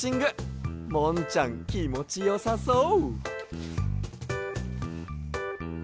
もんちゃんきもちよさそう。